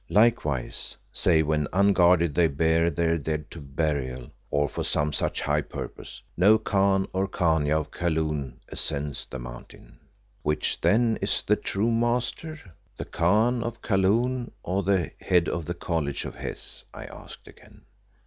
Likewise, save when unguarded they bear their dead to burial, or for some such high purpose, no Khan or Khania of Kaloon ascends the Mountain." "Which then is the true master the Khan of Kaloon or the head of the College of Hes?" I asked again.